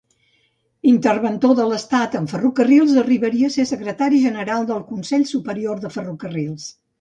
Interventor de l'Estat en ferrocarrils, arribaria a ser secretari general del Consell Superior de Ferrocarrils.